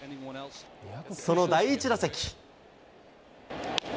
その第１打席。